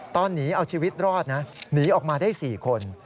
ตอนนี้เอาชีวิตรอดนะหนีออกมาได้๔คน